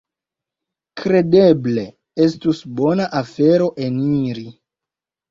Kredeble estus bona afero eniri."